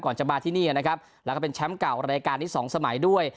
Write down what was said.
จะมาที่นี่นะครับแล้วก็เป็นแชมป์เก่ารายการนี้สองสมัยด้วย